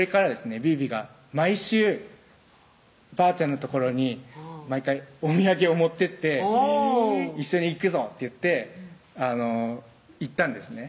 ビビが毎週ばあちゃんの所に毎回お土産を持ってってうん「一緒に行くぞ」って言って行ったんですね